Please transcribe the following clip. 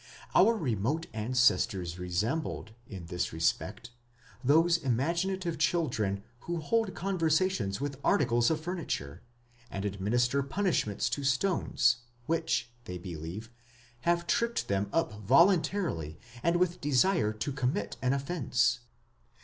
Our remote ancestors resembled, in this respect, those imaginative children who hold conversations with articles of furniture, and administer punishment to stones which, they believe, have tripped them up voluntarily and with desire to commit an offence.